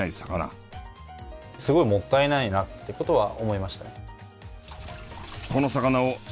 すごいもったいないなって事は思いましたね。